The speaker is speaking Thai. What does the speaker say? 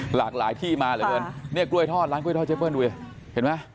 หลากหลายที่มาเลยด้วยร้านกล้วยทอดเจ๊เปิ้ลดูเห็นไหม